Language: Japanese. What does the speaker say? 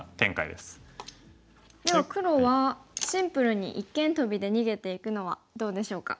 では黒はシンプルに一間トビで逃げていくのはどうでしょうか？